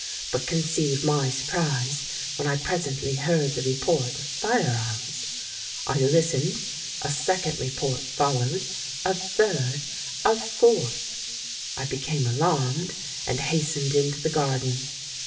But conceive my surprise when I presently heard the report of fire arms: I listened—a second report followed—a third—a fourth. I became alarmed, and hastened into the garden.